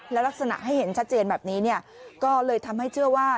และลักษณะให้เห็นชัดเจนแบบนี้เนี่ยก็เลยทำให้เชื่อว่า